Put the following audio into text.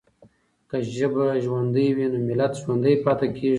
که ژبه ژوندۍ وي نو ملت ژوندی پاتې کېږي.